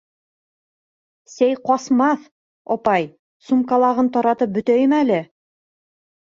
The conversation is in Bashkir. Сәй ҡасмаҫ, апай, сумкалағын таратып бөтәйем әле.